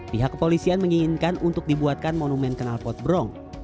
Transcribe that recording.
pihak kepolisian menginginkan untuk dibuatkan monumen kenalpot bronk